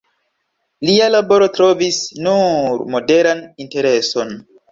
Lia laboro trovis nur moderan intereson.